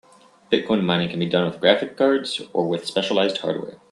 Bitcoin mining can be done with graphic cards or with specialized hardware.